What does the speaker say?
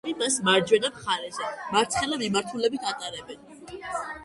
პრეზიდენტები მას მარჯვენა მხარზე, მარცხენა მიმართულებით ატარებენ.